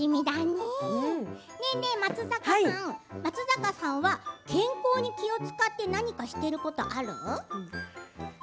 ねえねえ、松坂さん松坂さんは健康に気を遣って何かしていることはある？